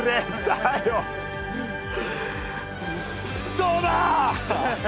どうだ！